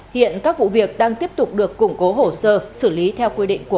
hiện các vụ việc đang tiếp tục được củng cố hổ sơ